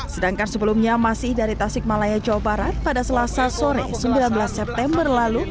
sedangkan sebelumnya masih dari tasik malaya jawa barat pada selasa sore sembilan belas september lalu